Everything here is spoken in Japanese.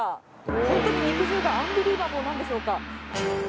ホントに肉汁がアンビリーバボーなんでしょうか？